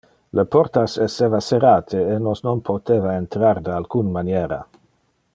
Le portas esseva serrate e nos non poteva entrar de alcun maniera.